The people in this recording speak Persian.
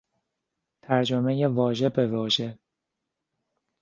ترجمهی واژه به واژه